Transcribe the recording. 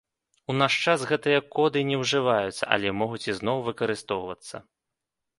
У наш час гэтыя коды не ўжываюцца, але могуць ізноў выкарыстоўвацца.